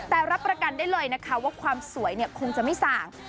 แต่รับประกันได้เลยนะคะว่าความสวยคงจะไม่ส่าง